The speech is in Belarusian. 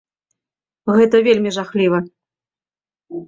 І гэта вельмі жахліва!